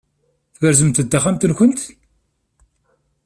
Tberzemt-d taxxamt-nkent?